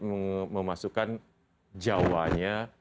sedikit memasukkan jawanya